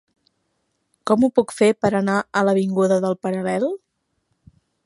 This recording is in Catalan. Com ho puc fer per anar a l'avinguda del Paral·lel?